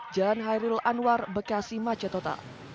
jalan hairul anwar bekasi macetotal